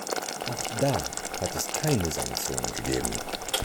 Auch da hat es keine Sanktionen gegeben.